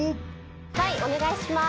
・はいお願いしまーす。